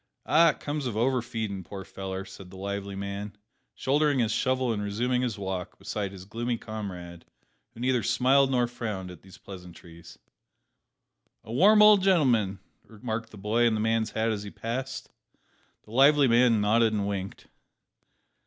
"Ah, it all comes of over feedin', poor feller," said the lively man, shouldering his shovel and resuming his walk beside his gloomy comrade, who neither smiled nor frowned at these pleasantries. "A warm old g'n'l'm'n!" remarked the boy in the man's hat as he passed. The lively man nodded and winked.